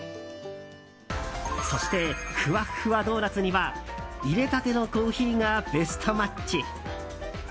そして、ふわっふわドーナツにはいれたてのコーヒーがベストマッチ！